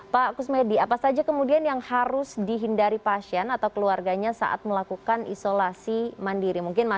pak kusmedi apa saja kemudian yang harus dihindari pasien atau keluarganya saat melakukan isolasi mandiri